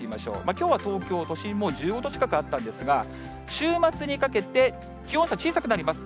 きょうは東京都心も１５度近くあったんですが、週末にかけて気温差小さくなります。